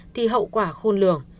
thì hậu quả khôn lường